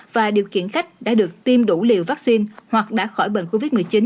và điều khiển khách đã được tiêm đủ liều vaccine hoặc đã khỏi bệnh covid một mươi chín